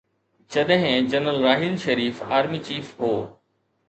جڏهن general Raheel Sharif army chief هو.